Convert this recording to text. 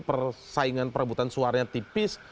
atau saingan perebutan suaranya tipis